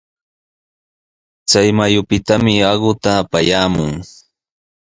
Chay mayupitami aqu apayaamun.